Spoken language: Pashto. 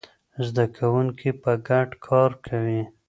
زده کوونکي به ګډ کار کوي.